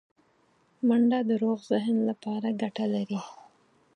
منډه د روغ ذهن لپاره ګټه لري